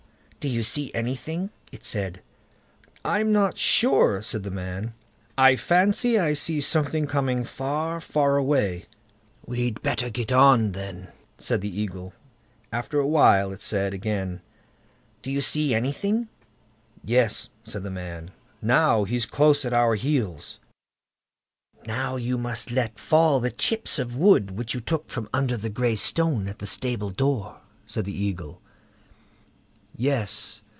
"Do you see anything?" it said. "I'm not sure", said the man; "I fancy I see something coming far far away". "We'd better get on then", said the Eagle; and after a while it said again: "Do you see anything?" "Yes", said the man, "now he's close at our heels." "Now, you must let fall the chips of wood which you took from under the gray stone at the stable door", said the Eagle. Yes!